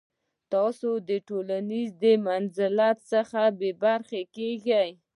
تاسو د ټولنیز منزلت څخه بې برخې کیږئ.